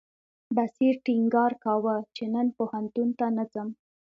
بصیر ټینګار کاوه چې نن پوهنتون ته نه ځم.